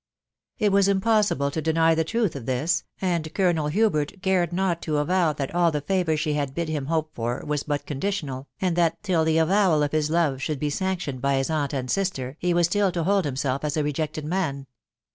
" It was impossible to deny the truth of this, and Colonel Hubert cared not to avow that all the favour she had bid him hope for was but conditional, and that till the avowal of his love should be sanctioned by his aunt and sister, he was still to hold himself as a rejected man.